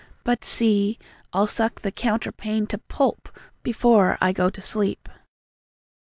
But, see, I'll suck the counterpane To PULP before I go to sleep!